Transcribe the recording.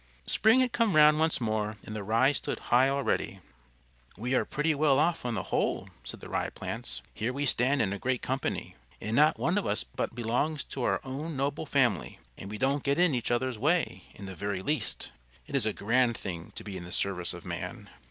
Spring had come round once more, and the Rye stood high already. "We are pretty well off on the whole," said the Rye plants. "Here we stand in a great company, and not one of us but belongs to our own noble family. And we don't get in each other's way in the very least. It is a grand thing to be in the service of man."